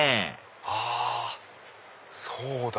あそうだ！